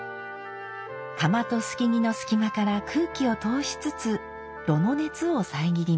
釜と透木の隙間から空気を通しつつ炉の熱を遮ります。